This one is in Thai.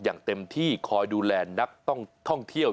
อย่างเต็มที่คอยดูแลนักท่องเที่ยว